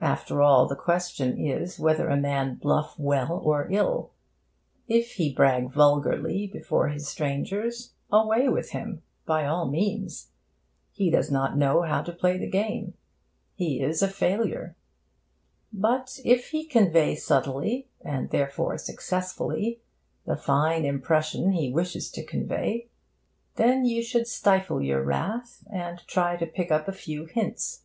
After all, the question is whether a man 'bluff' well or ill. If he brag vulgarly before his strangers, away with him! by all means. He does not know how to play the game. He is a failure. But, if he convey subtly (and, therefore, successfully) the fine impression he wishes to convey, then you should stifle your wrath, and try to pick up a few hints.